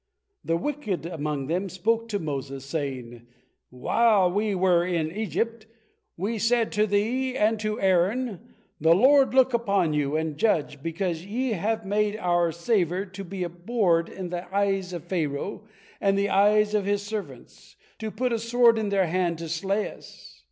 The wicked among them spoke to Moses, saying, "While we were in Egypt, we said to thee and to Aaron, 'The Lord look upon you, and judge, because ye have made our savor to be abhorred in the eyes of Pharaoh and in the eyes of his servants, to put a sword in their hand to slay us.'